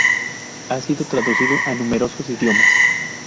Ha sido traducido a numerosos idiomas.